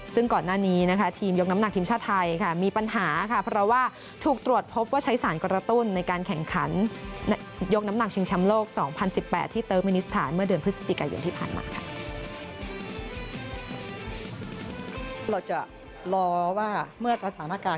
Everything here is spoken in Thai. ซึ่งก่อนหน้านี้นะคะทีมยกน้ำหนักทีมชาติไทยค่ะมีปัญหาค่ะเพราะว่าถูกตรวจพบว่าใช้สารกระตุ้นในการแข่งขันยกน้ำหนักชิงแชมป์โลก๒๐๑๘ที่เติร์กมินิสถานเมื่อเดือนพฤศจิกายนที่ผ่านมาค่ะ